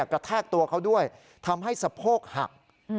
กระแทกตัวเขาด้วยทำให้สะโพกหัก